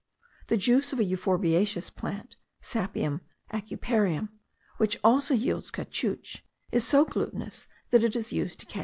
The juice of a euphorbiaceous plant (Sapium aucuparium), which also yields caoutchouc, is so glutinous that it is used to catch parrots.)